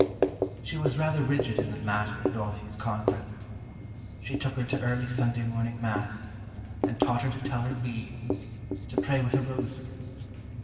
She was rather rigid in the matter of Dorothy's conduct. She took her to early Sunday morning Mass, and taught her to tell her beads, to pray with a rosary.